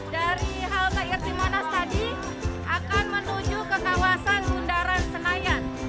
dari halta irtimanas tadi akan menuju ke kawasan bundaran senayan